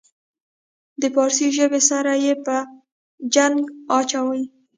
د پارسي ژبې سره یې په جنګ اچوي.